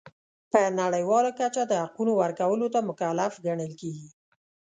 په نړیواله کچه د حقونو ورکولو ته مکلف ګڼل کیږي.